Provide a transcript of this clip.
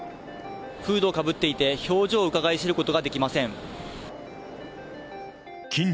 フードをかぶっていて、表情をうかがい知ることができません。